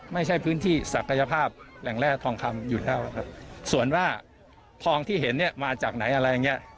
ไม่ใช่พื้นที่ศักยภาพแหล่งแร่ทองคำอยู่แล้วครับส่วนว่าทองที่เห็นเนี่ยมาจากไหนอะไรอย่างเงี้ย